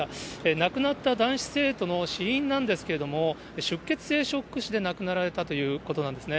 亡くなった男子生徒の死因なんですけれども、出血性ショック死で亡くなられたということなんですね。